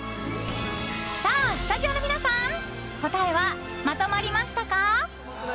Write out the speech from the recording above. さあ、スタジオの皆さん答えはまとまりましたか？